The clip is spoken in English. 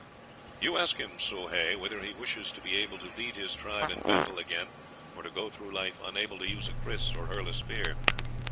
"You ask him, Soh Hay, whether he wishes to be able to lead his tribe in battle again, or to go through life unable to use a kris or hurl a spear.